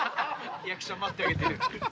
リアクション待ってあげてる。